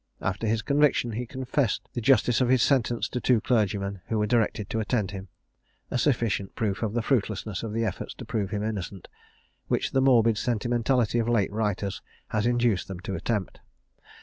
After his conviction, he confessed the justice of his sentence to two clergymen who were directed to attend him a sufficient proof of the fruitlessness of the efforts to prove him innocent, which the morbid sentimentality of late writers has induced them to attempt.